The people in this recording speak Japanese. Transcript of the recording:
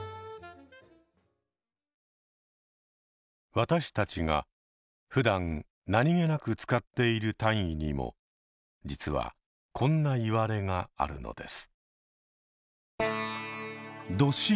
私たちがふだん何気なく使っている単位にも実はこんないわれがあるのです。